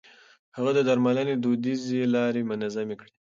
هغه د درملنې دوديزې لارې منظمې کړې.